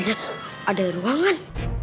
ih lihat ada ruangan